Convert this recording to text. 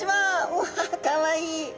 うわかわいい。